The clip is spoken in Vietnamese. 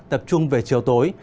tập trung về chiều tối